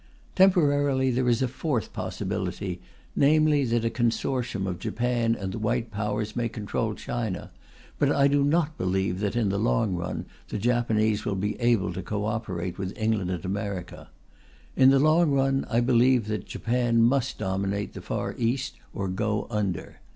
Temporarily there is a fourth possibility, namely that a consortium of Japan and the White Powers may control China; but I do not believe that, in the long run, the Japanese will be able to co operate with England and America. In the long run, I believe that Japan must dominate the Far East or go under.